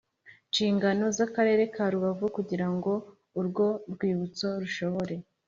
Nshingano z akarere ka rubavu kugira ngo urwo rwibutso rushobore